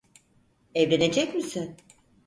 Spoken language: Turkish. Evlenecek misin?